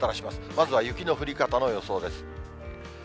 まずは雪の降り方の予想です。